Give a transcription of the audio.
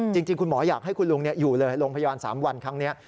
จริงคุณหมอยากให้คุณลุงเนี่ยอยู่เลยโรงพยาวนสามวันครั้งเนี้ย